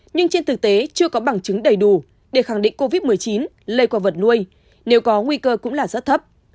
nhưng trên thực tế chưa có bằng chứng đầy đủ để khẳng định covid một mươi chín lây qua vật nuôi nếu có nguy cơ cũng là rất thấp